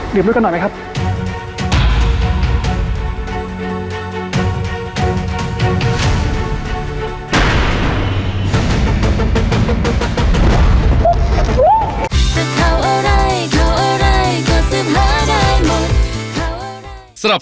เหนียบด้วยกันหน่อยไหมครับ